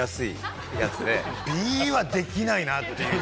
Ｂはできないなっていう。